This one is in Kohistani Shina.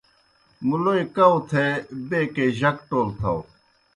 مُلوئے کؤ تھے بیکے جک ٹول تھاؤ۔